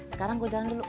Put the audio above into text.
sekarang gua jalan dulu